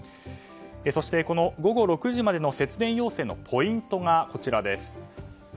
そして、この午後６時までの節電要請のポイントがこちらです。